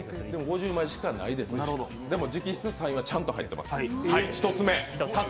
５０枚しかないですが、直筆サインはしっかり入っています。